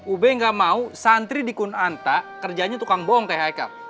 ube nggak mau santri di kunanta kerjanya tukang bohong kayak haikal